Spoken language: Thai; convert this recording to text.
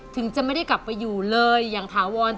ถึงจะไม่ได้กลับไปอยู่เลยอย่างถาวร